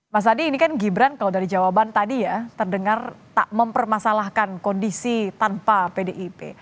mas adi ini kan gibran kalau dari jawaban tadi ya terdengar tak mempermasalahkan kondisi tanpa pdip